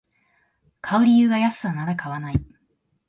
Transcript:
買う理由が安さなら買わない